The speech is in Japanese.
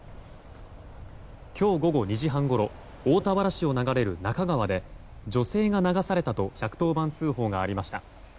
今日午後２時半ごろ大田原市を流れる那珂川で女性が流されたと１１０番通報がありました。